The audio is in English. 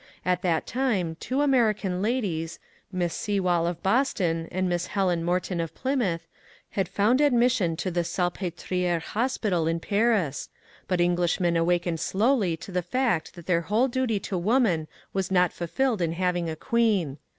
At that time two American ladies — Miss Sewall of Boston and Miss Helen ^v ^ Morton of Plymouth — had found admission to the Salpetri^re "/,^'^''* Hospital in Paris; but Englishmen awakened slowly to the fact that their whole duty to woman was not fulfilled in having '^ a queen.